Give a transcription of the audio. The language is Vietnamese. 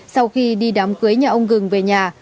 sau khi đi đám cưới nhà ông gừng về nhà